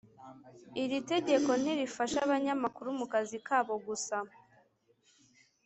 Iri tegeko ntirifasha abanyamakuru mu kazi kabo gusa